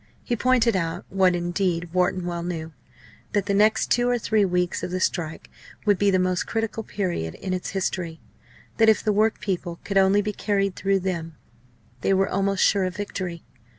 He pointed out what, indeed, Wharton well knew that the next two or three weeks of the strike would be the most critical period in its history; that, if the work people could only be carried through them, they were almost sure of victory.